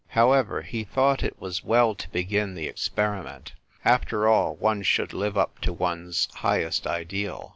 However, he thought it was well to begin the experi ment ; after all, one should live up to one's highest ideal.